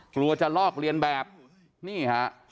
กลัวจะลอกเลียนแบบนี่ฮะ